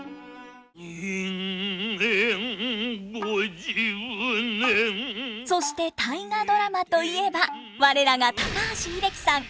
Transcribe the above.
人間五十年そして「大河ドラマ」といえば我らが高橋英樹さん。